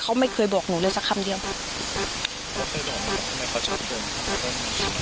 เพราะอาเองก็ดูข่าวน้องชมพู่